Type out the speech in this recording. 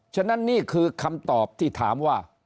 ฉะนั้นนี่คือคำตอบที่ถามว่า